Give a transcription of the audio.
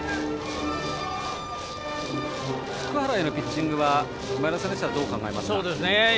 福原へのピッチングは前田さんとしてはどう考えますか？